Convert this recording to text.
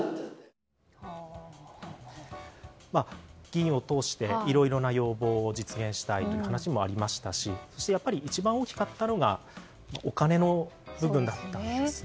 議員を通していろいろな要望を実現したいという話もありましたしそして一番大きかったのがお金の部分でした。